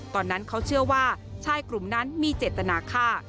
ตอนนั้นเขาเชื่อว่าชายกลุ่มนั้นมีเจตนาฆ่า